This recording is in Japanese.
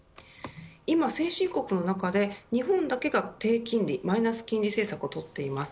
今、先進国の中で日本だけが低金利、マイナス金利政策をとっています。